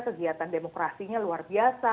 kegiatan demokrasinya luar biasa